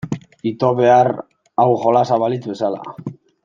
Ito behar hau jolasa balitz bezala.